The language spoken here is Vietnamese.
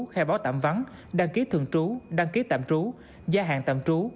khai báo tạm vắng đăng ký thường trú đăng ký tạm trú gia hạn tạm trú